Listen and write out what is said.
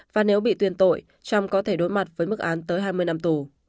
và nếu bị tuyên tội trump có thể đối mặt với mức án tới hai mươi năm tù